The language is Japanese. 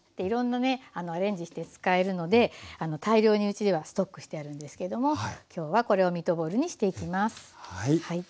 いろんなねアレンジして使えるので大量にうちではストックしてあるんですけども今日はこれをミートボールにしていきます。